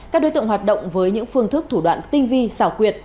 các đối tượng hoạt động với những phương thức thủ đoạn tinh vi xảo quyệt